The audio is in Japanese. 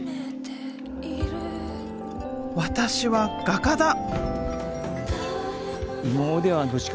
私は画家だ！